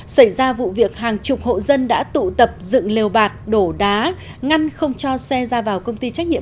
xảy ra vụ việc hàng chục hộ dân đã tụ tập dựng lều bạt đổ đá ngăn không cho xe ra vào công ty trách nhiệm